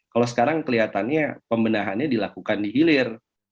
kalau sekarang kelihatannya pembenahannya dilakukan di hilir